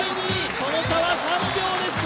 その差は３秒でした！